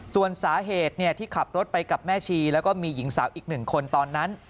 ส่วนสาเหตุที่ขับรถไปกับแม่ชีแล้วก็มีหญิงสาวอีกหนึ่งคนตอนนั้น